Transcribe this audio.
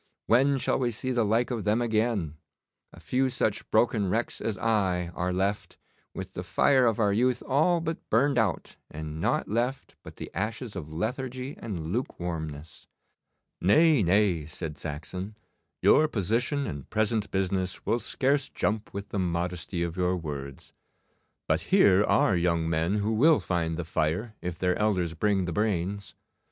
When shall we see the like of them again? A few such broken wrecks as I are left, with the fire of our youth all burned out and nought left but the ashes of lethargy and lukewarmness.' 'Nay, nay,' said Saxon, 'your position and present business will scarce jump with the modesty of your words. But here are young men who will find the fire if their elders bring the brains.